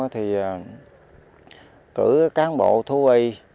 thì cử cán bộ thu y